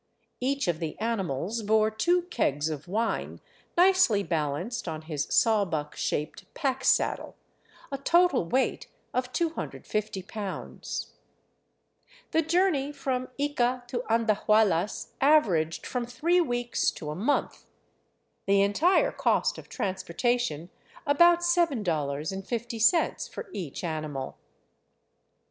Each of the animals bore two kegs of wine nicely balanced on his sawbuck shaped pack saddle, a total weight of 250 pounds. The journey from lea to Andahuaylas averaged from three weeks to a month, the entire cost of transportation about $7.50 for each animal.